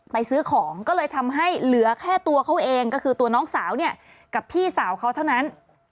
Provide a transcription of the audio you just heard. ซื้อของก็เลยทำให้เหลือแค่ตัวเขาเองก็คือตัวน้องสาวเนี่ยกับพี่สาวเขาเท่านั้น